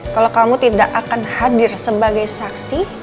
kalau kamu tidak akan hadir sebagai saksi